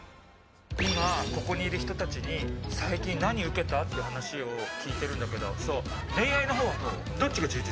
今ここにいる人たちに最近、何ウケた？って話を聞いてるんだけど。